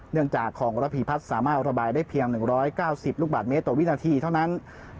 เนื่องจากของระพีพัฒน์สามารถระบายได้เพียง๑๙๐ลูกบาทเมตรต่อวินาทีเท่านั้น